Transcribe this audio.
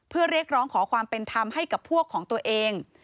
เพื่อเรียกร้องขอความเป็นธรรมให้กับพวกของตัวเอง